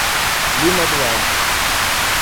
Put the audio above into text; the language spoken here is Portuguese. Lima Duarte